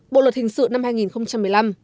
bộ luật hình sự năm hai nghìn một mươi năm